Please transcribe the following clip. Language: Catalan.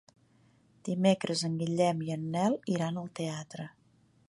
Dimecres en Guillem i en Nel iran al teatre.